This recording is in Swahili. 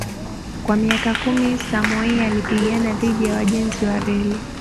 Kwa miaka kumi Samoei alipigana dhidi ya wajenzi wa reli